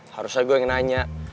harusnya gue yang nanya